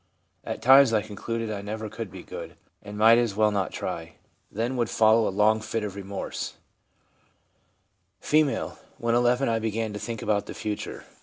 At times I concluded I never could be good, and might as well not try ; then would follow a long fit of remorse/ F. 'When 11 I began to think about the future.